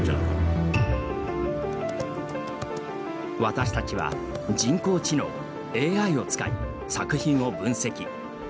私たちは人工知能・ＡＩを使い作品を分析。